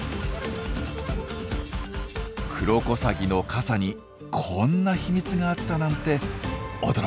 クロコサギの傘にこんな秘密があったなんて驚きです。